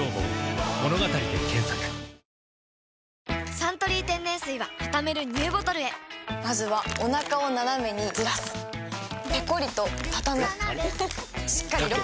「サントリー天然水」はたためるＮＥＷボトルへまずはおなかをナナメにずらすペコリ！とたたむしっかりロック！